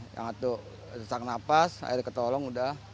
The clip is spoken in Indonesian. yang atuh sesak nafas akhirnya ketolong udah